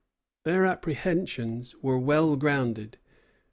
Their apprehensions were well grounded.